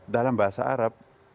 dalam bahasa arab